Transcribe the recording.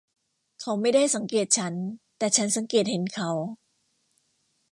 เขาไม่ได้สังเกตฉัน แต่ฉันสังเกตเห็นเขา